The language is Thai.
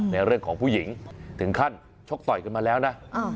ในเรื่องของผู้หญิงถึงขั้นชกต่อยกันมาแล้วนะ